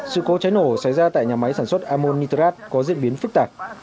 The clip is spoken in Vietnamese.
sự cố cháy nổ xảy ra tại nhà máy sản xuất amonirat có diễn biến phức tạp